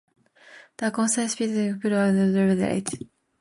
The constant-speed propellers were also poor, and delivered late.